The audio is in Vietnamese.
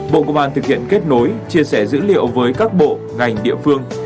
bộ công an thực hiện kết nối chia sẻ dữ liệu với các bộ ngành địa phương